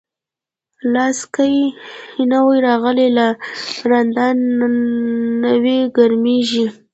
لاسا قی نوی راغلی، لا رندان نوی ګرمیږی